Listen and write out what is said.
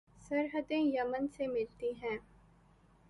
سرحدیں Yemen سے ملتی ہیں